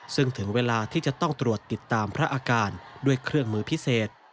ซึ่งถึงเวลาที่จะต้องตรวจติดตามพระอาการด้วยเครื่องมือพิเศษ